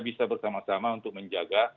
bisa bersama sama untuk menjaga